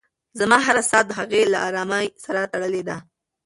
زما هره ساه د هغې له ارامۍ سره تړلې ده.